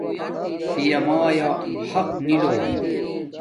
پیامایا حق نی لو